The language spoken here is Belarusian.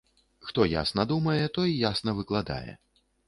Хто ясна думае, той ясна выкладае.